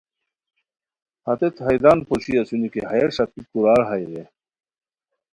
ہتیت حیران پوشی اسونی کی ہیہ ݰاپیک کورار ہائے رے